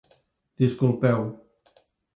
Disculpeu!